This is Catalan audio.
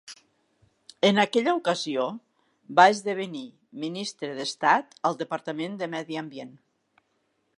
En aquella ocasió va esdevenir ministre d'Estat al Departament de Medi Ambient.